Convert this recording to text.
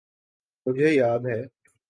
مجھے یاد ہے۔